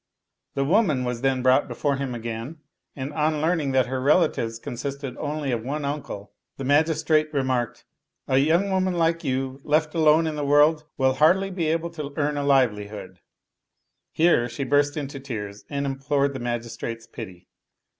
The woman was then brought before him again; and on learn ing that her relatives consisted only of one uncle, the mag istrate remarked, " A young woman like you, left alone in the world, will hardly be able to earn a livelihood. [Here she burst into tears and implored the magistrate's pity.